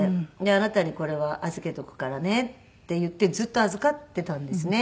あなたにこれは預けておくからねっていってずっと預かっていたんですね。